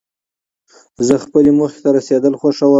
زه خپلې موخي ته رسېدل خوښوم.